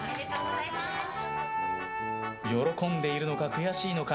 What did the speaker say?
喜んでいるのか悔しいのか。